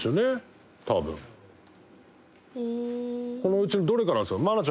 このうちのどれかなんですよ。